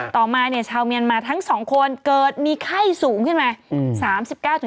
ต่อมาชาวเมียนมาทั้ง๒คนเกิดมีไข้สูงขึ้นมา